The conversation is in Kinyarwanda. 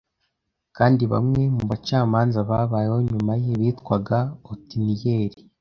kandi bamwe mu bacamanza babayeho nyuma ye bitwaga Otiniyeli